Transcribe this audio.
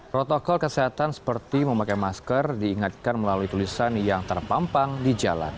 protokol kesehatan seperti memakai masker diingatkan melalui tulisan yang terpampang di jalan